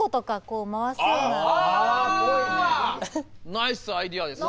ナイスアイデアです。